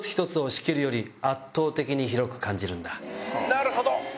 なるほど！